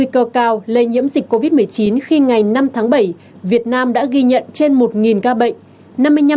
cao lây nhiễm dịch covid một mươi chín khi ngày năm tháng bảy việt nam đã ghi nhận trên một ca bệnh